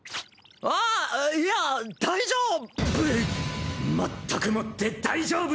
あっいや大丈夫。